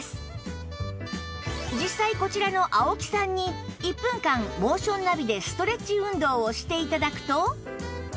実際こちらの青木さんに１分間モーションナビでストレッチ運動をして頂くと